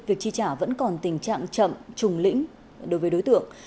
việc chi trả vẫn còn tình trạng chậm trùng lĩnh đối với đối tượng